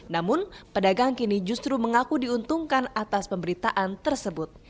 namun pedagang kini justru mengaku diuntungkan atas pemberitaan tersebut